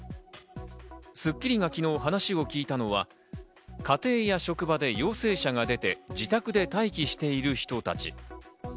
『スッキリ』が昨日、話を聞いたのは家庭や職場で陽性者が出て、自宅で待機している人たち。